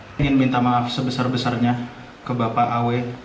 saya ingin minta maaf sebesar besarnya ke bapak aw